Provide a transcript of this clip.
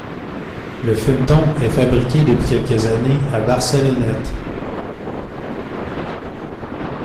Le fumeton est fabriqué depuis quelques années à Barcelonnette.